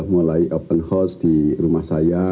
mulai open house di rumah saya